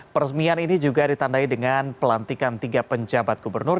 peresmian ini juga ditandai dengan pelantikan tiga penjabat gubernur